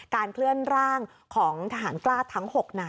เคลื่อนร่างของทหารกล้าทั้ง๖นาย